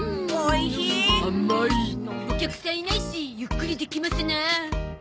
お客さんいないしゆっくりできますな。